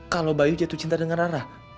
kalau bayu jatuh cinta dengan arah